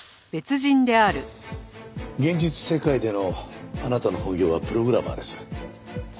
現実世界でのあなたの本業はプログラマーです。